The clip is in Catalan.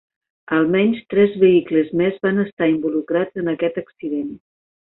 Almenys tres vehicles més van estar involucrats en aquest accident.